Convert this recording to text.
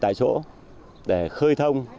tại chỗ để khơi thông